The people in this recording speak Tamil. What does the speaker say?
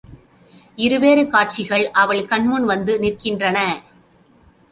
இரு வேறு காட்சிகள் அவள் கண் முன் வந்து நிற்கின்றன.